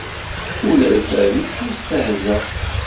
Ula d bab-is yestehza.